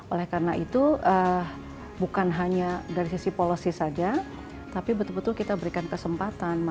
oleh karena itu bukan hanya dari sisi policy saja tapi betul betul kita berikan kesempatan